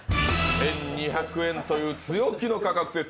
２２００円という強気の価格設定。